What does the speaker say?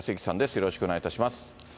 よろしくお願いします。